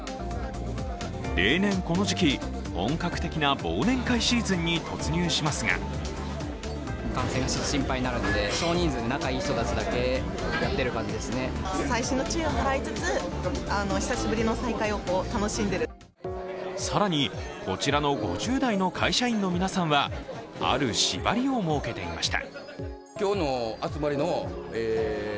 例年この時期、本格的な忘年会シーズンに突入しますが更にこちらの５０代の会社員の皆さんは、ある縛りを設けていました。